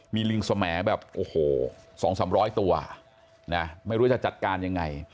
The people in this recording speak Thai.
มีลิงสมแบบโอ้โห๒๓๐๐ตัวนะไม่รู้จะจัดการยังไง